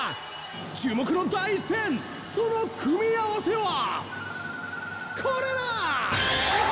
注目の第１戦その組み合わせはこれだ！